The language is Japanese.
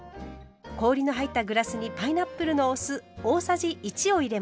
氷の入ったグラスにパイナップルのお酢大さじ１を入れます。